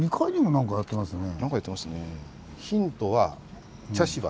何かやってますね。